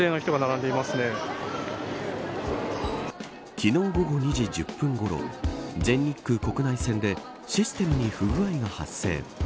昨日午後２時１０分ごろ全日空、国内線でシステムに不具合が発生。